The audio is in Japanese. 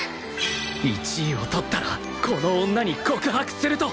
１位を取ったらこの女に告白すると！